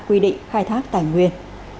quy định khai thác tài nguyên